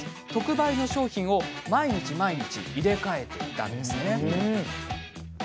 特売の商品を毎日毎日、入れ替えていたんです。